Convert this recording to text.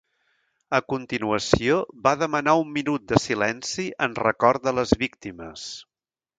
A continuació va demanar un minut de silenci en record de les víctimes.